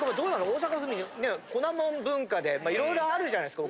大阪府民粉もん文化で色々あるじゃないですか。